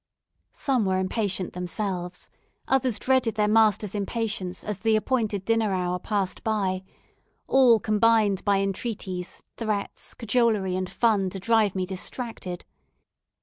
Some were impatient themselves, others dreaded their masters' impatience as the appointed dinner hour passed by all combined by entreaties, threats, cajolery, and fun to drive me distracted.